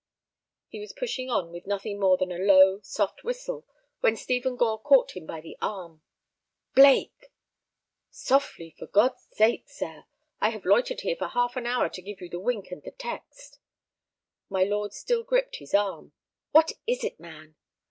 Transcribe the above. He was pushing on with nothing more than a low, soft whistle when Stephen Gore caught him by the arm. "Blake!" "Softly, for God's sake, sir; I have loitered here for half an hour to give you the wink and the text." My lord still gripped his arm. "What is it, man?"